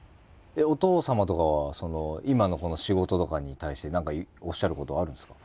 お父様とかは今のこの仕事とかに対して何かおっしゃることはあるんですか？